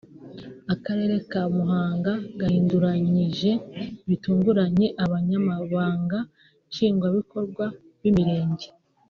Akarere ka Muhanga kahinduranyije bitunguranye Abanyamabanga Nshingwabikorwa b’Imirenge